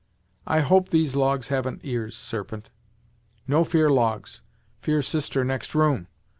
I hope these logs haven't ears, Serpent!" "No fear logs; fear sister next room.